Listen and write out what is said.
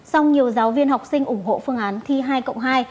song nhiều giáo viên học sinh ủng hộ phương án thi hai cộng hai